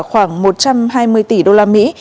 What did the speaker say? khoảng một trăm hai mươi tỷ đô la mỹ